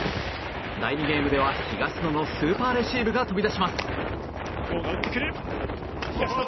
第２ゲームでは東野のスーパーレシーブが飛び出します。